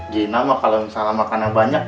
gina mah kalau misalnya makan yang banyak